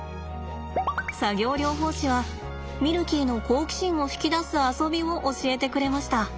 作業療法士はミルキーの好奇心を引き出す遊びを教えてくれました。